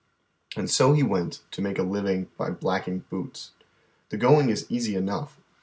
And so he went, to make a living by blacking boots. The going is easy enough.